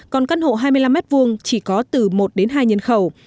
còn căn hộ hai mươi năm m hai chỉ có từ một đến hai nhân khẩu